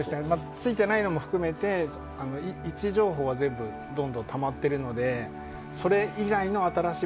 ついてないのも含めて位置情報は全部たまっているのでそれ以外の新しい。